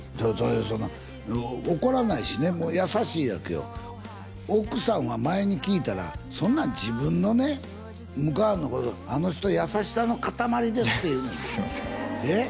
その怒らないしねもう優しいわけよ奥さんは前に聞いたらそんなん自分のね婿はんのことあの人優しさの固まりですって言うねんですいませんえっ？